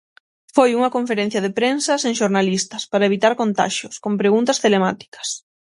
Foi unha conferencia de prensa sen xornalistas, para evitar contaxios, con preguntas telemáticas.